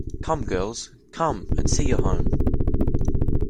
Come, girls, come and see your home!